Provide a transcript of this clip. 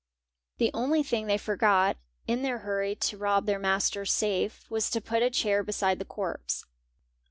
The, only thing they forgot, in their hurry to rob their master's safe, was to put a chair beside the corpse.